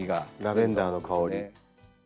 ラベンダーの香り。